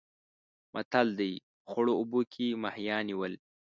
متل دی: په خړو اوبو کې ماهیان نیول.